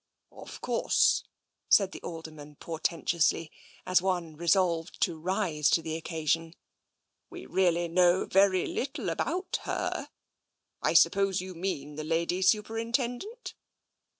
" Of course," said the Alderman portentously, as one resolved to rise to the occasion, " we really know very little about her, I suppose you mean the Lady Super intendent?"